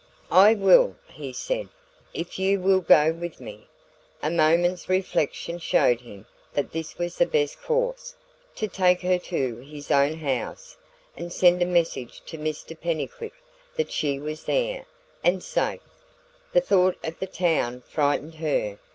"I will," he said, "if you will go with me." A moment's reflection showed him that this was the best course to take her to his own house, and send a message to Mr Pennycuick that she was there, and safe. The thought of the town frightened her.